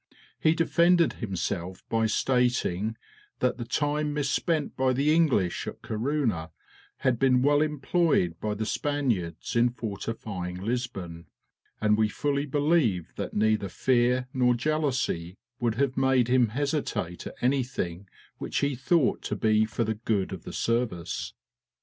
He defended himself by stating that the time misspent by the English at Corunna, had been well employed by the Spaniards in fortifying Lisbon; and we fully believe that neither fear nor jealousy would have made him hesitate at anything which he thought to be for the good of the service.